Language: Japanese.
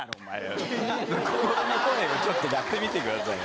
ちょっとここをやってみてくださいよ。